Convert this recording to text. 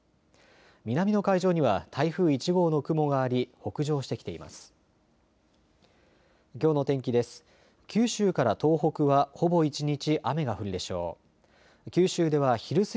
南の海上には台風１号の雲があり、北上してきています。